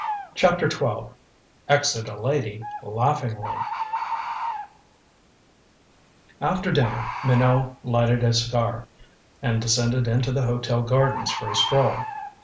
CHAPTER XII EXIT A LADY, LAUGHINGLY After dinner Minot lighted a cigar and descended into the hotel gardens for a stroll.